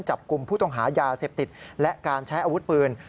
จับกลุ่มผู้ต้องหายาเสพติดและการใช้อาวุธปืน